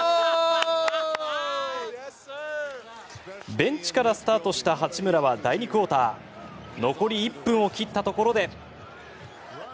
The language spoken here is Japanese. ベンチからスタートした八村は第２クオーター残り１分を切ったところで。